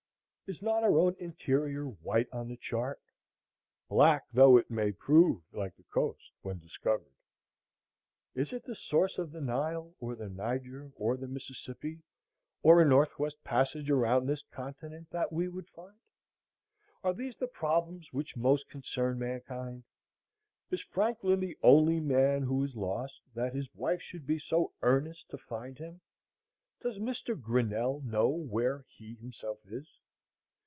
Is not our own interior white on the chart? black though it may prove, like the coast, when discovered. Is it the source of the Nile, or the Niger, or the Mississippi, or a North West Passage around this continent, that we would find? Are these the problems which most concern mankind? Is Franklin the only man who is lost, that his wife should be so earnest to find him? Does Mr. Grinnell know where he himself is?